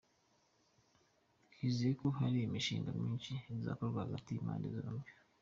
Twizeye ko hari imishinga myinshi izakorwa hagati y’impande zombi.